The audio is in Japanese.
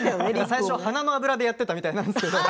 最初は鼻の脂でやっていたみたいなんですけど。